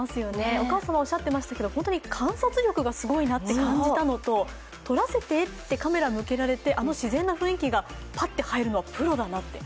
お母様がおっしゃっていましたけれども、観察力がすごいなと感じたのと撮らせてってカメラ向けられてあの自然な雰囲気がパッと入るの、プロだなって。